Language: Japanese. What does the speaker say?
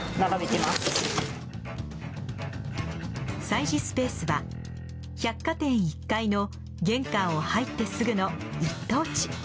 催事スペースは百貨店１階の玄関を入ってすぐの一等地。